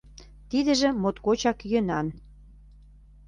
Тидыже моткочак йӧнан.